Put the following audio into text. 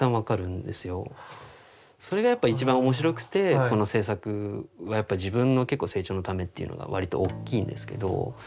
それがやっぱ一番面白くてこの制作は自分の成長のためっていうのがわりと大きいんですけど。